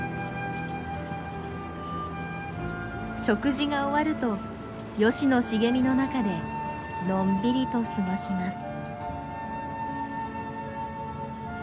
食事が終わるとヨシの茂みの中でのんびりと過ごします。